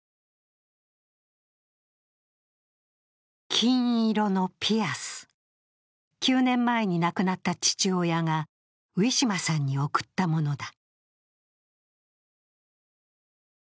金色のピアス、９年前に亡くなった父親がウィシュマさんに贈ったものだ。